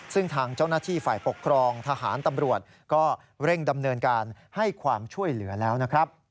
ซึ่งทางเจ้าหน้าที่ฝ่ายปกครองทหารตำรวจก็เร่งดำเนินการให้ความช่วยเหลือแล้วนะครับ